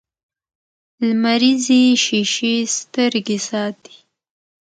لمریزې شیشې سترګې ساتي